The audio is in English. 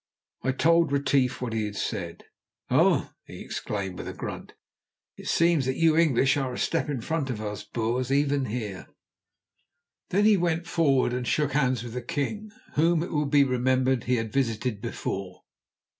I told Retief what he said. "Oh!" he exclaimed with a grunt, "it seems that you English are a step in front of us Boers, even here." Then he went forward and shook hands with the king, whom, it will be remembered, he had visited before.